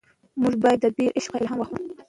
موږ باید د ده له عشقه الهام واخلو.